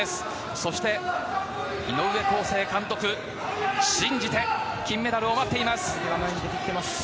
そして、井上康生監督も信じて金メダルを待っています。